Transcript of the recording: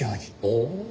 おお！